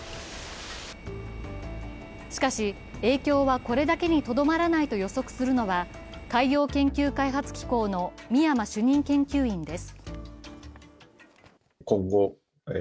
しかし、影響はこれだけにとどまらないと予測するのは海洋研究開発機構の美山主任研究員です。